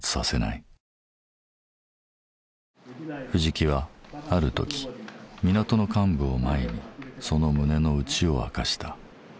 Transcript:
藤木はある時港の幹部を前にその胸の内を明かした。